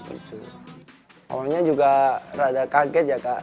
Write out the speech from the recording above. awalnya juga rada kaget ya kak